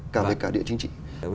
cả về cả địa phương